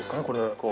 これ。